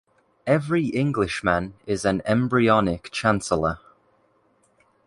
Every Englishman is an embryonic chancellor.